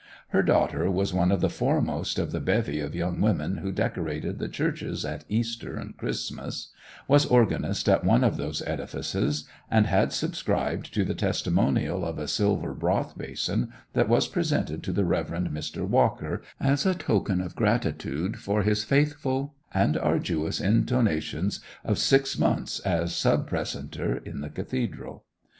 Her daughter was one of the foremost of the bevy of young women who decorated the churches at Easter and Christmas, was organist in one of those edifices, and had subscribed to the testimonial of a silver broth basin that was presented to the Reverend Mr. Walker as a token of gratitude for his faithful and arduous intonations of six months as sub precentor in the Cathedral.